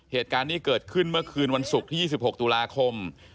เหตุการณ์นี้เกิดขึ้นเมื่อคืนวันศุกร์ที่๒๖ตุลาคม